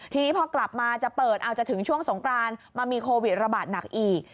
ทีนี้พอกลับมาจะเปิดเอาจะถึงช่วงสงกรานมามีโควิดระบาดหนักอีก